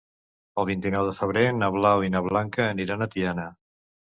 El vint-i-nou de febrer na Blau i na Blanca aniran a Tiana.